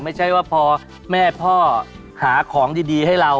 ไม่ใช่ว่าพอแม่พ่อหาของดีให้เรา